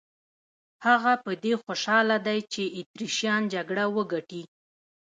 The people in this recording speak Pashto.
هغه په دې خوشاله دی چې اتریشیان جګړه وګټي.